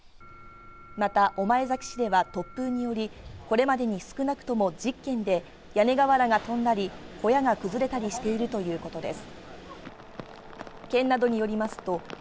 また、御前崎市では突風により、これまでに少なくとも１０軒で屋根瓦が飛んだり、小屋が崩れたりしているということです。